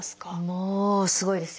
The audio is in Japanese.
もうすごいですよ。